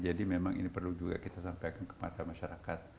jadi memang ini perlu juga kita sampaikan kepada masyarakat